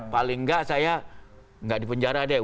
paling gak saya gak di penjara deh